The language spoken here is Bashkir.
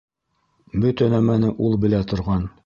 Бөтә нәмәне ул белә торған.